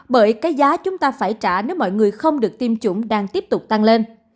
bởi cái giá chúng ta phải trả nếu mọi người không được tiêm chủng đang tiếp tục tăng lên